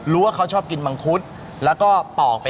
และอัดกระปะ